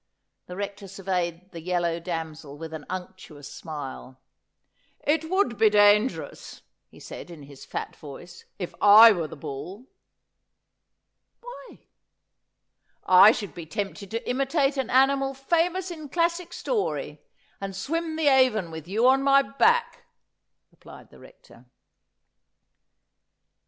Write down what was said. The Rector surveyed the yellow damsel with an unctuous smile. ' It would be dangerous,' he said in his fat voice, ' if I were the bull.' ' Why ?'' I should be tempted to imitate an animal famous in classic story, and swim the Avon with you on my back,' replied the Rector.